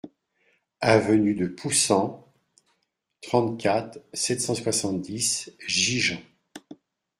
Avenue de Poussan, trente-quatre, sept cent soixante-dix Gigean